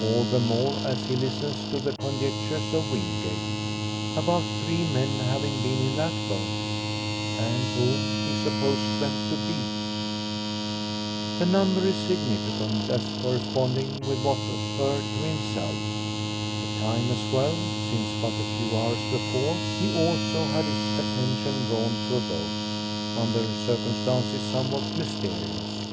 All the more as he listens to the conjectures of Wingate about three men having been in that boat, and whom he supposed them to be. The number is significant as corresponding with what occurred to himself. The time as well; since, but a few hours before, he also had his attention drawn to a boat, under circumstances somewhat mysterious.